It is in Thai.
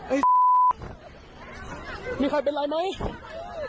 ไอ้มีใครเป็นไรไหม